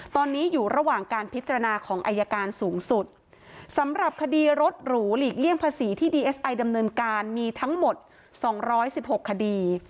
ตอนนี้อยู่ระหว่างการพิจารณาของอายการสูงสุดสำหรับคดีรถหรูหลีกเลี่ยงภาษีที่ดีเอสไอดำเนินการมีทั้งหมดสองร้อยสิบหกคดี